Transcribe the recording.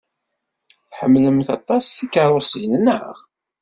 Tḥemmlemt aṭas tikeṛṛusin, naɣ?